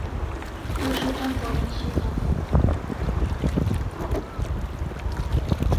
就是战国的齐桓公。